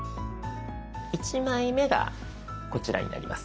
１枚目がこちらになります。